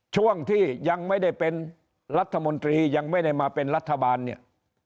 ช่วงที่ยังไม่ได้เป็นรัฐมนตรียังไม่ได้มาเป็นรัฐบาลเนี่ย